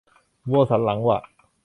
วัวสันหลังหวะ